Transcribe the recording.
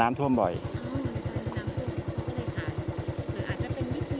เพราะใช้คำอะไรแบบนี้